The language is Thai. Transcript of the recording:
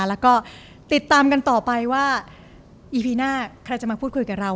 แล้วก็ติดตามกันต่อไปว่าอีพีหน้าใครจะมาพูดคุยกับเรา